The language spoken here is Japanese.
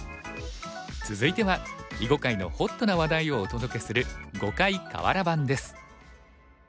続いては囲碁界のホットな話題をお届けする「碁界かわら盤」です。